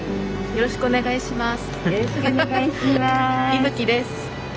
よろしくお願いします。